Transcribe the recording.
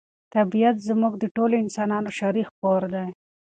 طبیعت زموږ د ټولو انسانانو شریک کور دی.